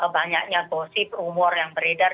banyaknya gosip rumor yang beredar